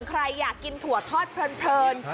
ใครอยากกินถั่วทอดเพลิน